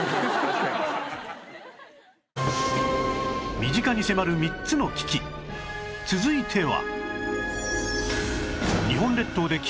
身近に迫る３つの危機続いては